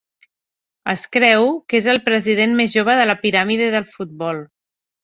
Es creu que és el president més jove de la Piràmide del Futbol.